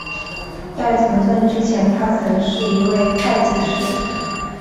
在从政之前他曾是一位会计师。